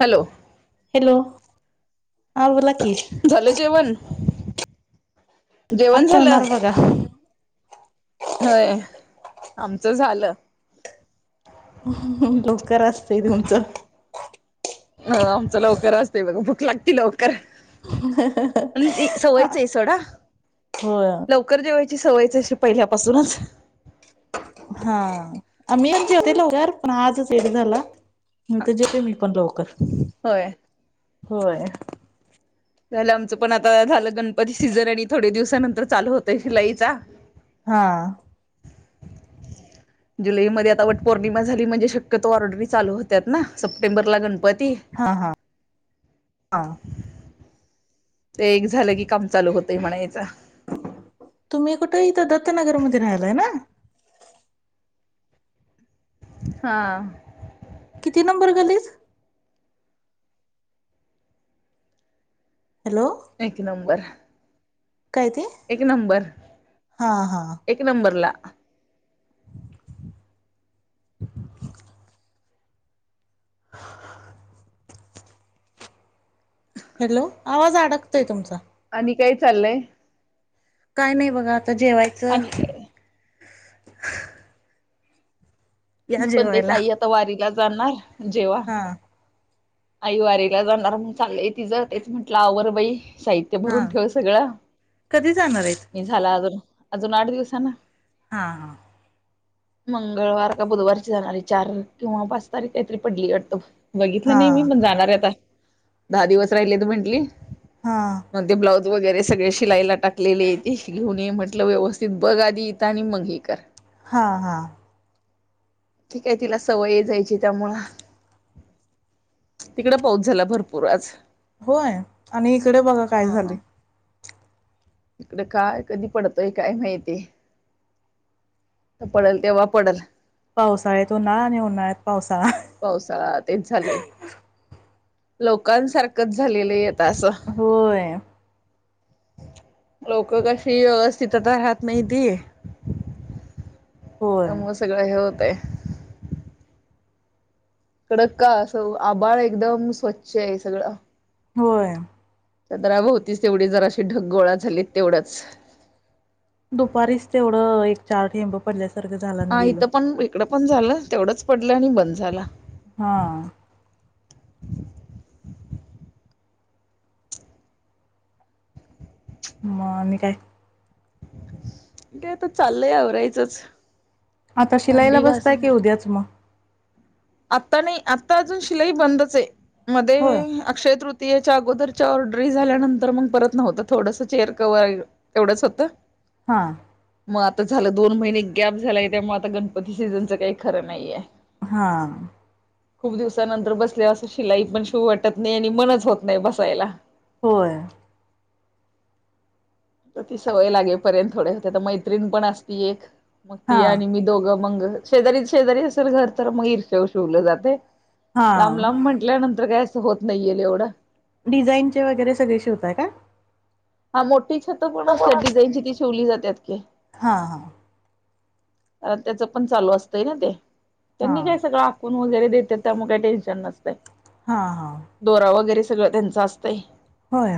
Hello. Hello हा बोला की. झालं जेवण.? आता जेवण झालं जेवणार बघा. होय आमचं झालं. लवकर असतय तुमचं. ह आमच लवकर असतय बघा. भूक लागते लवकर. [unintelligible] अन एक सवयच आहे सोडा. होय लवकर जेवायची सवयच अशी पहिल्यापासूनच हा अन मी जेवते लवकर पण आजच लेट झाला. ते जेवते मी पण लवकर होय होय झालं आमचं पण आता झालं गणपती सीझन आणि थोडे दिवसानंतर चालू होतय शिलाईचा हा जुलैमध्ये आता वट पौर्णिमा झाली म्हणजे शक्यतो ऑर्डरी चालू होत्याात ना सप्टेंबरला गणपत हा हा हा ते एक झालं की काम चालू होतंय म्हणायचं. तुम्ही कुठं इथं दत्तनगरमध्येध राहलाय हाय ना हा किती नंबर गल्लीत हॅलो एक नंबर काय ते एक नंबर हा हा एक नंबरला ह हॅलो आवाज अडकतोय तुमचा हे काय चाललंय? काय नाही बघा आता जेवायचं आणि काय या पण तेच जेवायला आई आता वारीला जाणार जेव्हा हा आईवारीला जाणार चाललंय तिझं तेच म्हंटलं आवर बाई साहित्य हा भरून ठेव सगळं कधी जाणार आहेत मी झाला अजून अजून आठ दिवसानं हा हा मंगळवार का बुधवारची जाणारी चार किंवा पाच तारीख काहीतरी पडली वाटतं. हा बघितलं हा नाही मी पण जाणारहे आता दहा दिवस राहिले म्हटली हा अन ते ब्लाउज वगैरे सगळे शिलाईला टाकलेेले ते घेऊन ये म्हटलं व्यवस्थित बघ आधी इथं आणि मग हे कर हा हा ठीक आहे तिला सवय आहे जायची त्यामुळ तिकडं पाऊस झाला भरपूर आज होय आणि इकडे बघा काय झालय. इकडं काय कधी पडतोय काय माहिती पडल तेव्हा पडल पावसाळ्यात उन्हाळा आणि उन्हाळ्यात पावसाळा पावसाळा तेच झाले लोकांसारखंच झालेलं आहेत. होय लोक कशी व्यवस्थित आता राहत नाहीती. होय त्यामुळं सगळं हे होतय. कडक का अस आभळ एकदम स्वच्छ आहे सगळं होय. चंद्राभोवतीच तेवढे जरासे ढगगोळा झालेत तेवढंच दुपारीच तेवढं एक चार ठेंब पडल्यात. हा इथं पण इकडं पण झालं तेवढंच पडलं आणि बंद झाला. हा म आणि काय? ते आता चाललंय आवरायचंच आता शिलाईला भांडी बसताय की उद्याच मग आता नाही आता अजून शिलाई बंदच आहे होय मध्ये अक्षय तृत येच्या अगोदरच्या ऑरड्री झाल्यानंतर मग परत नव्हतं थोडस चेअर कवर एवढंच होतं. हा. मग आता झालं दोन महिने गॅप झालाय त्यामुळे आता गणपती सीझनच काही खरं नाहीय. हा. खूप दिवसानंतर बसले असं शिलाई पण शिव वाटत नाही आणि मनच होत नाही बसायला. होय. सवय लागे पर्यंत थोडेसे तर मैत्रीण पण असती एक मग हा ती आणि मी दोघं मग शेजारी शेजारी असेल घर तर मग इर्षेवर शिवलं जातय. हा लांब लांब म्हटल्यानंतर काय असं होत नाहीये एवढ डिझाईनचे वगैरे सगळे शिवताय का? हा मोठी छत पण असतात. डिझाईन हा हा अ त्याच पण चालू असतय ना ते.. हा त्यांनी काय सगळं फोन वगैरे देतात त्यामुळे काही टेन्शन नसत. हा हा सगळं त्यांच असतंय. होय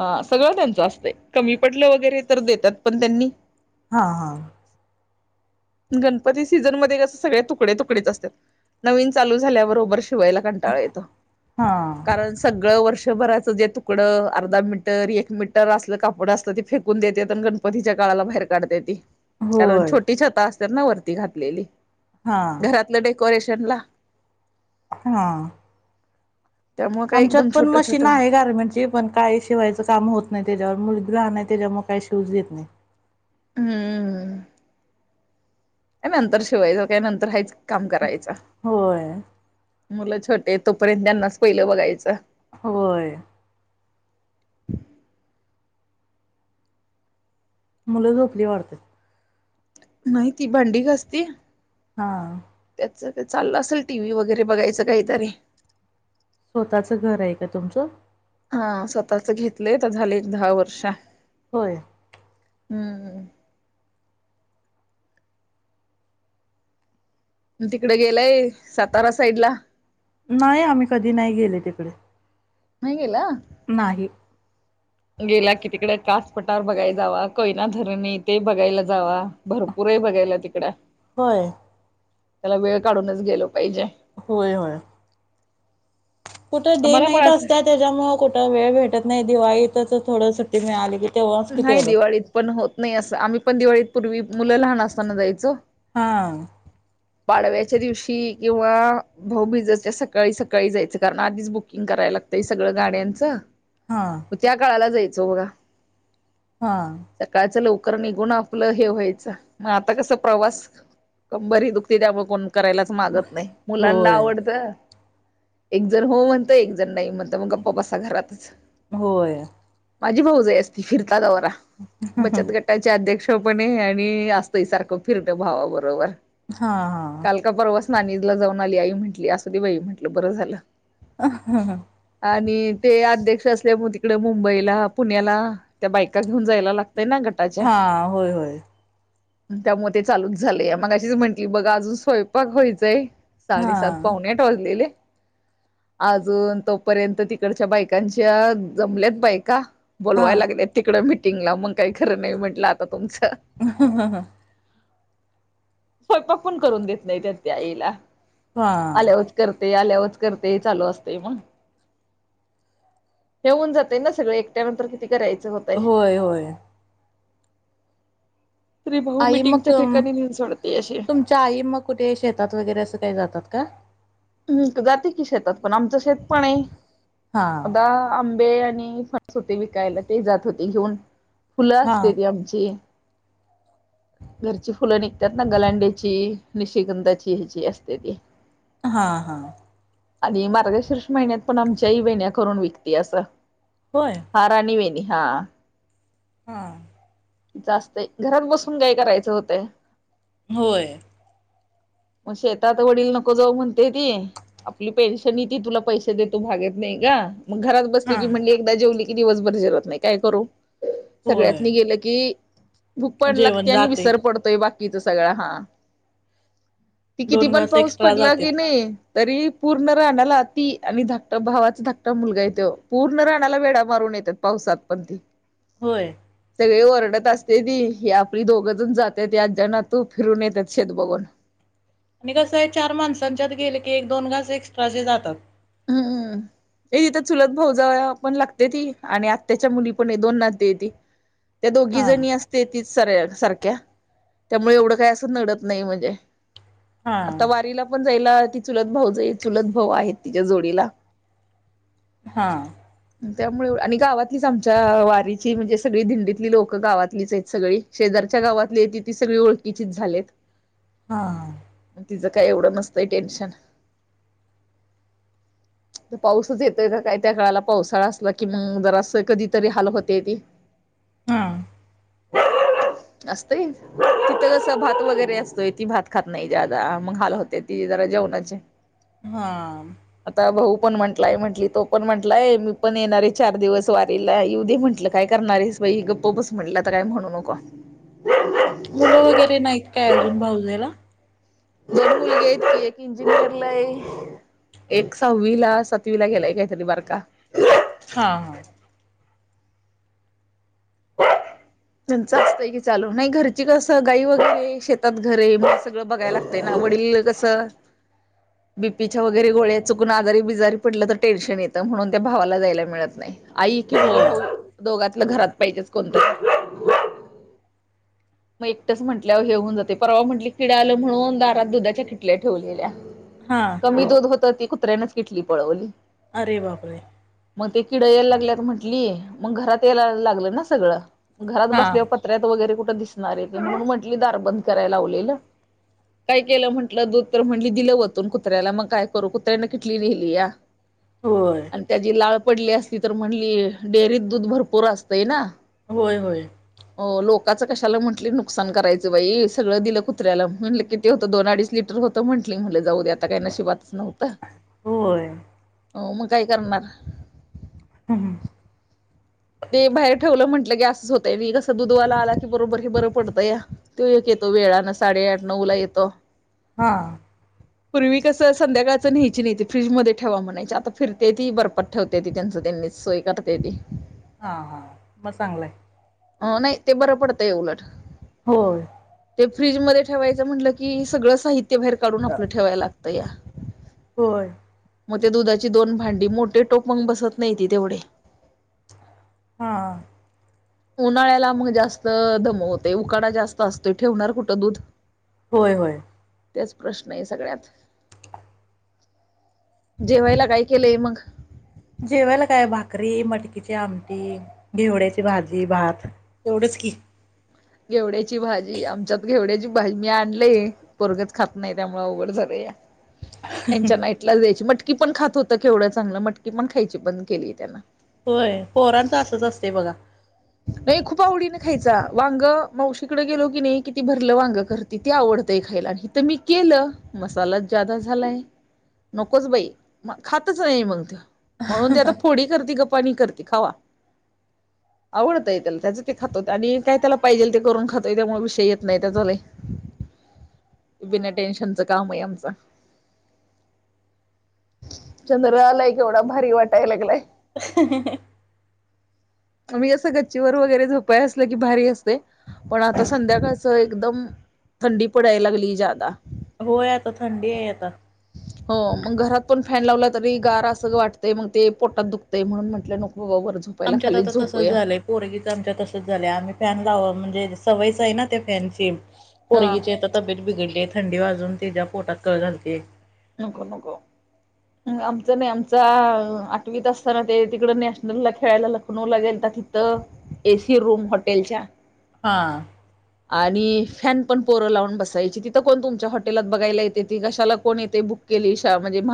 ह सगळं त्यांच असतंय. कमी पडलं वगैरे तर देतात पण त्यांनी हा हा [inaudible] गणपती सीझनमध्ये कस सगळे तुकडे तुकडेच असतात. नवीन चालू झाल्याबरोबर शिवायला कंटाळा येतो हा कारण सगळं वर्षभराच जे तुकड अर्ध मिन अर्धा मीटर, एक मीटर असलं कापड असत ते फेकून देत्यात आणि गणपतीच्या कारण होय छोटी छत असत्यात ना वरती घातलेली हा घरातले डेकोरेशनला हा त्यामुळे काय आमच्यात एकदम पण छोट छोट मशीन आहे गारमेंटची पण काय शिवाय काम होत नाही त्याच्यावर मुलं लहान नाही. त्याच्यामुळे काही शिवू देत नाहीत. हम्म... नंतर शिवायचं. काय नंतर हायच काम करायचं. होय मुलं छोटे आहे. तोपर्यंत त्यांनाच पहिलं बघायचं. होय मुलं झोपली वाटते. नाही ती भांडी घसते. हा चाललं असेल टीव्ही वगैरे बघायचं काहीतरी स्वतःच घर आहे का तुमचं? हा स्वतःच घेतलंय. आता झालं एक दहा वर्ष होय हम्म हम तो तिकडे गेलाय. नाही. आम्ही कधी नाही गेले तिकडे. नाही गेला नाही. गेला कि तिकडे कासपठार बघायला जावा. कोयना धरण ते बघायला जावा. भरपूर बघायला तिकडे होय त्याला वेळ काढूनच गेलो पाहिजे. होय होय कुठं डे मला नाईट पण असं असत्या. त्याच्यामुळे कुठं वेळ भेटत नाही. दिवाळीतच थोडं सुट्टी मिळाली की तेव्हाच कि नाही. तेवढं दिवाळीत पण होत नाही. असं आम्ही पण दिवाळीत पूर्वी मुलं लहान असताना जायचो. हा पाडव्याच्या दिवशी किंवा भाऊबीजेच्या सकाळी सकाळी जायचं. कारण आधीच बुकिंग करा कराय लागतय सगळं गाड्यांचं हा म त्या काळाला जायचो बघा हा सकाळच लवकर निघून आपलं हे व्हायचं. मग आता कस प्रवास कंबरही दुखते त्यामुळे करायलाच मागत नाही, मुलांना होय आवडत, एक जण हो म्हणत एक जण नाही म्हणत. मग गप्पसा घरातच, होय माझी भाऊ जाई असती फिर.. वरा बचत घटाचे अध्यक्ष... तो पणे आणि असत सारखं फिरत भावाबरोबर. हा हा. नानिजला जाऊन आली आई म्हटली असं दे बाई म्हटलं बरं झालं. आ हा ह. आणि ते अध्यक्ष असल्यामुळे तिकडे मुंबईला पुण्याला त्या बायका घेऊन जायला लागत. हा होय होय. त्यामुळे ते चालूच झाले, मग अशीच म्हंटली बघा अजून स्वयंपाक व्हायचंय. हा साडेसात पाहुणे आठ वाजलेले. आजून तोपर्यंत तिकडच्या बायकांच्या जमल्यात बायका. हा बोलवाय लागले तिकडं मीटिंगला मग काही खरं नाही म्हटलं आता.. तुमचं ह ह ह.. स्वयंपाक पण करून देत नाही त्या त्या आईला. हां.. ते आल्यावरच करते चालू असते मग. ठेऊन जातय ना सगळ, एकट्या नंतर किती करायचं होतय. होय होय त्री भाऊ आई मग मटिंगच्या ठिकाणी नेऊन सोडत. तुमच्या आई मग कुठे शेतात वगैरे असं काही जातात का? जाते की शेतात पण आमचं शेत पण आहे. हा द आंबे आणि... फणस होते विकायला ते जात होते घेऊन, फुलं हा असते ती आमची. [inaudible] घरची फुलं निघतात ना गलांडीची, निशगंधाची ह्याची असते ती. हा हा. आणि मार्गशिर्ष महिन्यात पण आमच्याही वेण्या करून विकती असं. होय हा, राणीवेनी हा. हा. जास्तय, घरात बसून काय करायचं होतं. होय. [inaudible] मग शेतात वडील नको जाऊ म्हणते ती, आपली पेन्शन य ती तुला पैसे देतो भागेत नाही ग. मग घरात बसली हा की म्हणजे एकदा जेवली की दिवसभर जेवत नाही. काय करू होय सगळ्यात नि गे... भूक पण लागते जेवण आणि जाते विसर पडतोय बाकीचा सगळं हा. ती किती दोन पण घास पाऊस एक्स्ट्रा पडला जाते की नाही. तरी पूर्ण राणाला ती आणि धाकट भावाचा धकटा मुलगा आहे तो पूर्ण राणाला वेडा मारून... नत पावसात पण होय. सगळी ओरडत असते ती, ही आपली दोघंजण जातात आज्यांनातू फिरून येतात शेत बघून. [inaudible] आणि कसं आहे चार माणसांच्यात गेले की एक, दोन घास एक्स्ट्रा जे जातात. हम हम. ए तिथं चुलत भाऊजव पण लागते ती आणि आत्त्याच्या मुली पण दोन नाते ती. त्या दोघी हा जणी असते तीच... सर सारख्या त्यामुळे एवढं काही असं नडत नाही म्हणजे.. हा आता वारीला पण जायला ती चुलत भाऊजइ, चुलत भाऊ आहेत. तिच्या जोडीला. हा. त्यामुळे आणि गावातलीच आमच्या वारीची म्हणजे सगळी दिंडीतली लोकं गावातलीच आहेत सगळी शेजार आच्या गावातली येते ती सगळी ओळखीचीच झालेत. हा. तिचं काय एवढं नसतय टेन्शन. पाऊसच येतोय का काय त्या काळाला पावसाळा असला कि मग जरासं कधीतरी हाल होत्याती. हा. [unintelligible] असतंय तिथं कसं भात वगैरे असतोय ती भात खात नाही ज्यादा मग हाल होतेती जरा जेवणाचे हा. आता भाऊ पण म्हटलाय म्हंटली तो पण म्हटलाय मी पण येणार आहे चार दिवस वारीला येऊ दे म्हटलं म्हटलं काय करणारईस बाई गप्प बस म्हटलं आता काय म्हणू नको मुलं वगैरे नाहीत काय अजून भाऊजेला जी एक मुलगीे आहे ती एक इंजिनिअरला आहे एक सहावी ला सातवी ला गेलाय काहीतरी बारका हा हा [unintelligible] त्यांच असतंय की चालू नाही घरची कसं गाई वगैरे शेतात घर आहे मग सगळं बघायला लागतंय ना. वडील कसं बीपीच्या वगैरे गोळ्या चुकून आजारी बिजारी पडलं तर टेन्शन येतं म्हणून त्या भावाला जायला मिळत नाही. आई किंवा होय भाऊ दोघातलं घरात पाहिजेच कोणतरी मग एकटंच म्हटल्यावर हे होऊन जातंय परवा म्हटली किडं आलं म्हणून दारात दुधाच्या किटल्या ठेवून दिल्या हां. कमी दूध होतं ती कुत्र्यानेच किटली पळवली. अरे बापरे. मग ते किडं यायला लागल्यात म्हंटली मग घरात यायला लागलं ना सगळं. घरात हां. बसल्यावर पत्र्यात वगैरे कुठं दिसणार आहे ते म्हणून म्हंटली दार बंद करायला लावलेलं. काय केलं म्हटलं दूध तर म्हटली दिलं वतून कुत्र्याला मग काय करू कुत्र्यानं किटली न्हिलिया. होय. आणि त्याची लाळ पडली असली तर म्हणली डेअरीत दूध भरपूर असतंय ना होय होय. हो लोकाचं कशाला म्हटली नुकसान करायचं बाई सगळं दिलं कुत्र्याला म्हटलं किती होतं दोन अडीच लिटर होतं म्हटली म्हटलं जाऊ दे आता काही नशिबातंच नव्हतं होय. हो मग काय करणार. हम्म. ते बाहेर ठेवलं म्हटलं की असंच होतंय मग हे कसं दुधवाला आला की बरोबर हे बरं पडतंया तो एक येतो तो वेळानं साडेआठ नऊ ला येतो हा. पूर्वी कसं संध्याकाळचं न्यायची नाहीे फ्रीजमध्ये ठेवा म्हणायची आता फिरतेती ती बर्फात ठेवतेती त्यांचं त्यांनीच सोय करतेती. हा हां मग चांगलंय. अ नाही ते बरं पडतंय उलट. होय. ते फ्रीजमध्ये ठेवायचं म्हटलं की सगळं साहित्य बाहेर काढून हां. आपलं ठेवायला लागतंया. होय. मग त्या दुधाची दोन भांडी मोठे टोप मंग बसत नाहीती तेवढे हा. उन्हाळ्याला मग जास्त दमवतंय उकाडा जास्त असतोय ठेवणार कुठं दूध होय होय. तेच प्रश्न आहे सगळ्यात जेवायला काय केलंय मंग. जेवायला काय भाकरी मटकीची आमटी घेवडयाची भाजी भात एवढीच की. घेवड्याची भाजी. आमच्यात घेवड्याची भाजी मी आणलंय. पोरगंच खात नाही त्यामुळं अवघड झालंया. त्यांच्या नाईटला द्यायची. मटकी पण खात होता केवढं चांगलं. मटकी पण खायची बंद केलीये त्यानं. होय पोरांचं असच असतंय बघा. नाही खूप आवडीनं खायचा. वांग मावशीकडे गेलो की नाही कि ती भरलं वांग करती ते आवडतं. खायला आणि हिथ मी केलं मसालाच जादा झालाय. नकोच बाई म खातच नाही मग तो. म्हणून ते आता फोडी करती. गपवानी करती खावा. आवडतंय त्याला त्याचं ते खातो, आणि काय त्याला पाहिजेल ते करून खातोय त्यामुळे विषय येत नाही त्याचा लय. बिना हां. टेन्शनच काम आहे आमचं. चंद्र आलाय केवढा भारी वाटाय लागलाय. [unintelligible] मी असं गच्चीवर वगैरे झोपाय असलं की भारी असतयं, पण आता संध्याकाळच एकदम थंडी पडाय लागली ज्यादा. होय, आता थंडी आहे आता. हो मग घरात पण फॅन लावला तरी, गार अस वाटतंय मग ते पोटात दुखतंय म्हणून म्हटलं नको. व वर झोपायला आमच्यात खाली आता झोप तसंच झालंय पोरगीचं आमच्या तसच झालंय, आम्ही फॅन लावाव म्हणजे सवयच आहे ना त्या फॅनची. हा पोरगीची आत्ताच तब्येत बिघडलीच थंडी वाजून तिचा पोटात कळ घालतेय. नको नको. आमचं नाही आमचा आठवीत असताना ते तिकड नॅशनलला खेळायला लखनौ ला गेलता. तिथं एसी रूम हॉटेलच्या हा. आणि फॅन पण पोरं लावून बसायची, तिथं कोण तुमच्या हॉटेलात बघायला येते ती कशाला कोण येते बुक केली‌ शा म्हणजे मा